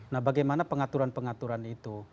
nah bagaimana pengaturan pengaturan itu